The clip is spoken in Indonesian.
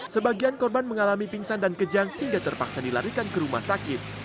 sebagian korban mengalami pingsan dan kejang hingga terpaksa dilarikan ke rumah sakit